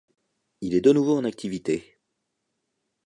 Il est de nouveau en activité.